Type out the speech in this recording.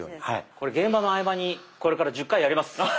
これ現場の合間にこれから１０回やります。